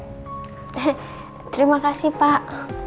hehehe terima kasih pak